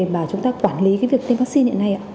mà chúng ta quản lý cái việc tiêm vaccine hiện nay ạ